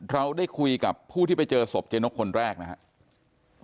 เราได้คุยกับผู้ที่ไปเจอศพเจ๊นกคนแรกนะครับ